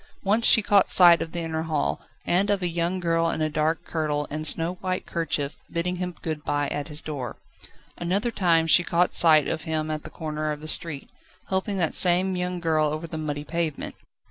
Once she caught sight of the inner hall, and of a young girl in a dark kirtle and snow white kerchief bidding him good bye at his door. Another time she caught sight of him at the corner of the street, helping that same young girl over the muddy pavement.